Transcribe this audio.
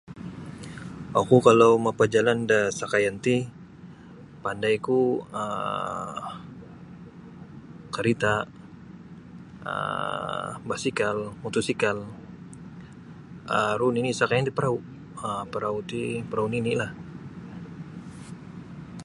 Oku kalau mapajalan da sakaian ti pandai ku um karita um basikal motosikal um aru nini sakaian da parau' um parau' ti parau' nini lah.